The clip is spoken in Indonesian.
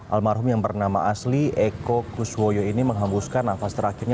almarhum yang bernama asli eko kuswoyo ini menghembuskan nafas terakhirnya